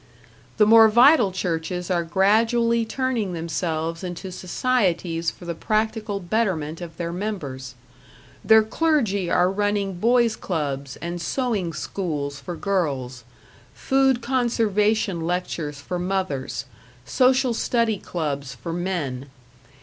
The more vital churches are gradually turning themselves into societies for the practical betterment of their members. Their clergy are running boys clubs and sewing schools for girls, food conservation lectures for mothers, social study clubs for men.